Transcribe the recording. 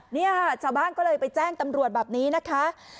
เนี่ยชาวบ้านก็เลยไปแจ้งตำรวจแบบนี้นะคะ